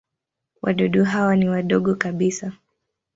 Wadudu hawa ni wadogo kabisa.